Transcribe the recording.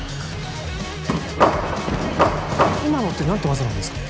今のって何て技なんですか？